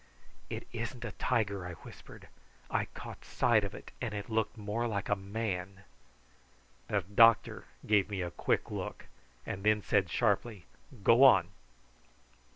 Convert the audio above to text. "It isn't a tiger," I whispered. "I caught sight of it, and it looked more like a man." The doctor gave me a quick look, and then said sharply, "Go on!"